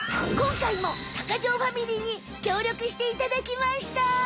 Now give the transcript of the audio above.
かいも鷹匠ファミリーにきょうりょくしていただきました。